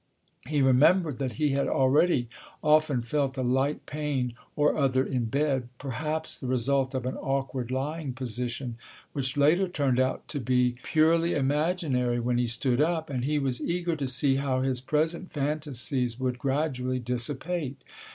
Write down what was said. He remembered that he had already often felt a light pain or other in bed, perhaps the result of an awkward lying position, which later turned out to be purely imaginary when he stood up, and he was eager to see how his present fantasies would gradually dissipate.